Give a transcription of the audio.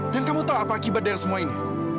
dan kamu tau apa akibat dari semua ini